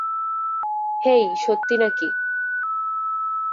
হেই, সত্যি নাকি?